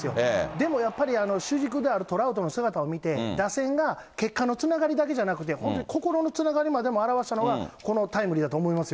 でもやっぱり、主軸であるトラウトの姿を見て、打線が結果のつながりだけじゃなくて、本当に心のつながりまでも表したのが、このタイムリーだと思いますよ。